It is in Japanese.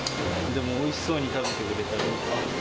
おいしそうに食べてくれたり。